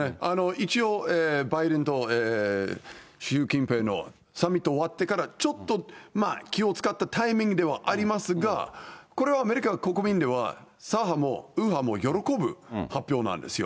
一応、バイデンと習近平のサミット終わってからちょっとまあ気を遣ったタイミングではありますが、これはアメリカの国民では、左派も右派も喜ぶ発表なんですよ。